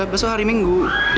besok hari minggu